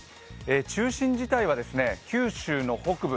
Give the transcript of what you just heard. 中心自体は九州の北部